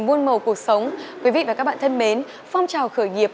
muôn màu cuộc sống quý vị và các bạn thân mến phong trào khởi nghiệp